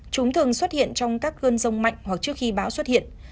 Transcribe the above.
chúng thường xuất hiện trong các cơn rông mạnh hoặc trước khi bão xuất hiện